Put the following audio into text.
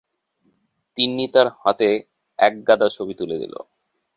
তিন্নি তাঁর হাতে একগাদা ছবি তুলে দিল।